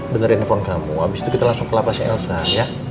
benerin handphone kamu abis itu kita langsung ke lapas elsa ya